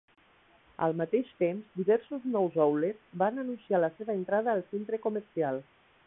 Al mateix temps, diversos nous outlets van anunciar la seva entrada al centre comercial.